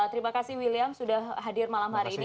terima kasih william sudah hadir malam hari ini